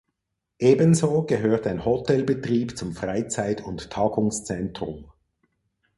Ebenso gehört ein Hotelbetrieb zum Freizeit- und Tagungszentrum.